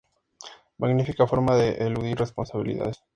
Magnífica forma de eludir responsabilidades